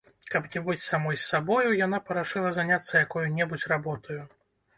Каб не быць самой з сабою, яна парашыла заняцца якою-небудзь работаю.